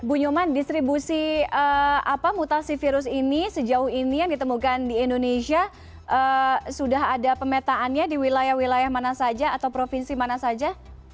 bu nyoman distribusi mutasi virus ini sejauh ini yang ditemukan di indonesia sudah ada pemetaannya di wilayah wilayah mana saja atau provinsi mana saja